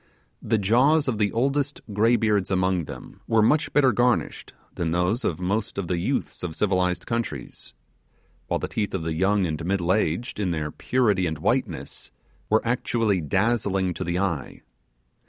The jaws of the oldest graybeards among them were much better garnished than those of most of the youths of civilized countries; while the teeth of the young and middle aged, in their purity and whiteness, were actually dazzling to the eye.